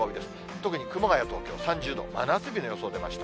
特に熊谷、東京、３０度、真夏日の予想出ました。